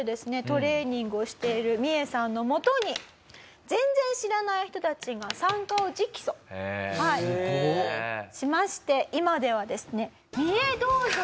トレーニングをしているミエさんのもとに全然知らない人たちが参加を直訴しまして今ではですね「ミエ道場」として。